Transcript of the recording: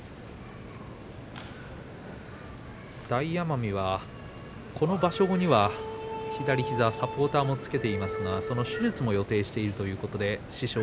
大奄美は、この場所後には左膝、サポーターをつけていますがその手術も予定しているということです。